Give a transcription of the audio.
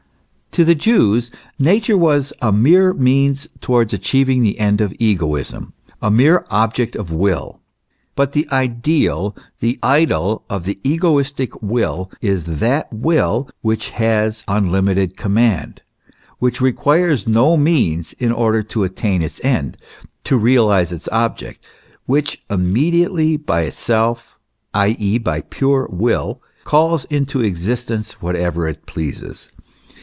To the Jews Nature was a mere means towards achieving the end of egoism, a mere object of will. But the ideal, the idol of the egoistic will is that Will which has un limited command, which requires no means in order to attain its end, to realize its object, which immediately by itself, i. e., by pure will, calls into existence whatever it pleases.